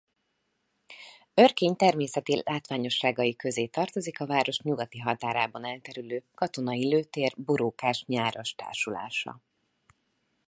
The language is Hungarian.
Örkény természeti látványosságai közé tartozik a város nyugati határában elterülő katonai lőtér borókás-nyáras társulása.